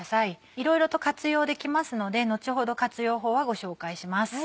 いろいろと活用できますので後ほど活用法はご紹介します。